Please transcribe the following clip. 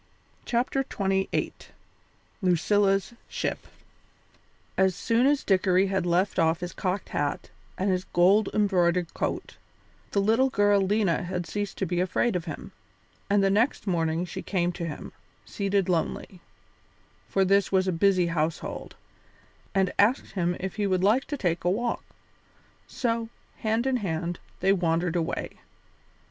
CHAPTER XXVIII LUCILLA'S SHIP As soon as Dickory had left off his cocked hat and his gold embroidered coat, the little girl Lena had ceased to be afraid of him, and the next morning she came to him, seated lonely for this was a busy household and asked him if he would like to take a walk. So, hand in hand, they wandered away.